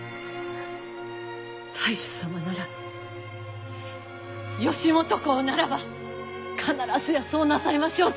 太守様なら義元公ならば必ずやそうなさいましょうぞ！